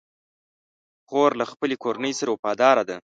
خور له خپلې کورنۍ سره وفاداره ده.